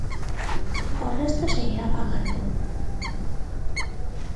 O resto seguirá pagando.